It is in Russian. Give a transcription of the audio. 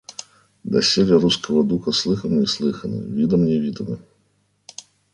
Доселе русскаго духа слыхом не слыхано, видом не видано.